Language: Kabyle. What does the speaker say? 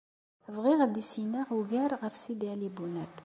Bɣiɣ ad issineɣ ugar ɣef Sidi Ɛli Bunab.